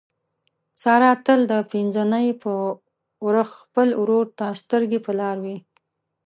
ساره تل د پینځه نۍ په ورخ خپل ورور ته سترګې په لاره وي.